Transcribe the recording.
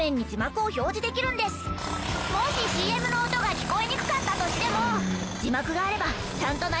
もしＣＭの音が聞こえにくかったとしても。